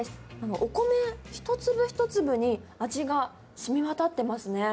お米一粒一粒に、味が染みわたってますね。